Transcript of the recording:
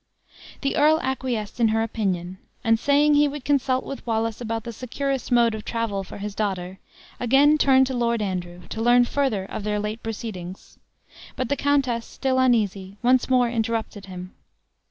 The earl acquiesced in her opinion; and saying he would consult with Wallace about the securest mode of travel for his daughter, again turned to Lord Andrew, to learn further of their late proceedings. But the countess, still uneasy, once more interrupted him.